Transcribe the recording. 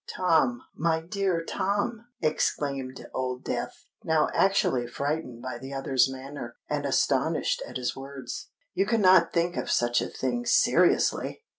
"Tom—my dear Tom!" exclaimed Old Death, now actually frightened by the other's manner, and astonished at his words; "you cannot think of such a thing seriously!"